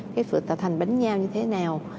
cái phụ tạo thành bánh nhao như thế nào